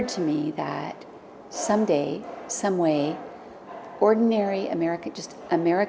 ta biết chẳng của họopod các cấu động dari bons da th transformative